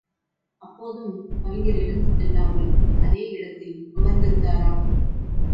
அப்போதும் கவிஞர் எழுந்து செல்லாமல் அதே இடத்தில் அமர்ந்திருந்தாராம்.